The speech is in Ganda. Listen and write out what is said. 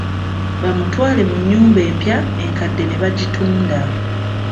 Bamutwale mu nnyumba empya enkadde ne bagitunda.